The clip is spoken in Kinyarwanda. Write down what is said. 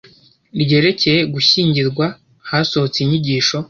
ryerekeye gushyingirwa hasohotse Inyigisho